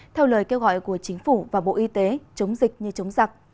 theo lời kêu gọi của chính phủ và bộ y tế chống dịch như chống giặc